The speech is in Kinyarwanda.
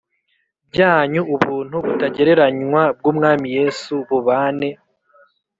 byanyu Ubuntu butagereranywa bw Umwami Yesu bubane